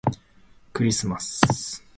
クリスマス